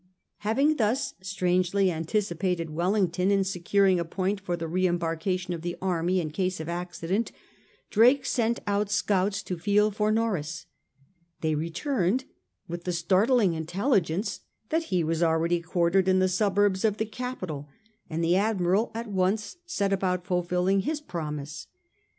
Having thus strangely anticipated Wellington in securing a point for the re embarkation of the army in case of accident^ Drake sent out scouts to feel for Norreys. They returned with the startling intelligence that he was already quartered in the suburbs of the capital, and the Admiral at once set about fulfilling his promise.